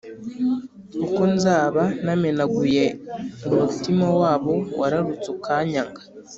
kuko nzaba namenaguye umutima wabo wararutse ukanyanga